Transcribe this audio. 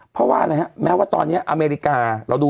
เพราะว่าอะไรนะเมื่อว่าตอนนี้อเมริกา